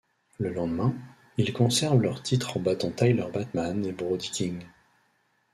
Le lendemain, ils conservent leurs titres en battant Tyler Bateman et Brody King.